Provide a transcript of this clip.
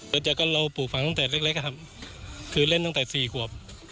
เดี๋ยวก็เราปลูกฝั่งตั้งแต่เล็กครับคือเล่นตั้งแต่สี่กว่า